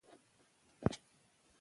د ایران په تاریخ کې دا یوه توره دوره وه.